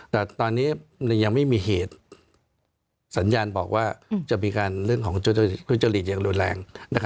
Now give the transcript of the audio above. แต่ตอนนี้ยังไม่มีเหตุสัญญาณบอกว่าจะมีการเรื่องของทุจริตอย่างรุนแรง